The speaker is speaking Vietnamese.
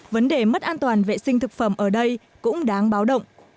vấn đề mất an toàn vệ sinh thực phẩm ở đây cũng đáng báo động